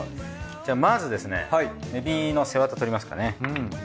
じゃあまずですねエビの背ワタ取りますかね。